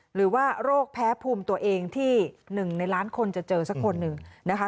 หรือว่าโรคแพ้ภูมิตัวเองที่๑ในล้านคนจะเจอสักคนหนึ่งนะคะ